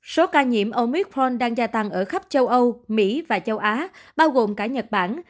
số ca nhiễm omithforn đang gia tăng ở khắp châu âu mỹ và châu á bao gồm cả nhật bản